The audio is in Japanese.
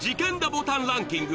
ボタンランキング